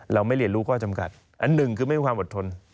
เราไม่เรียนรู้ข้อจำกัดอันหนึ่งคือไม่มีความอดทน